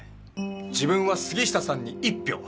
自分は杉下さんに１票！